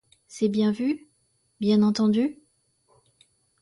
C’est bien vu ?… bien entendu ?